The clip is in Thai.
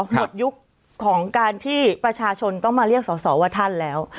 หมดยุคของการที่ประชาชนต้องมาเรียกสอสอว่าท่านแล้ว